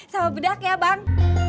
sama bedak ya bang